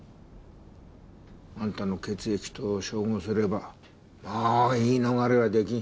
あんたの血液と照合すればもう言い逃れは出来ん。